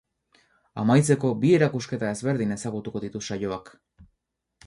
Amaitzeko, bi erakusketa ezberdin ezagutuko ditu saioak.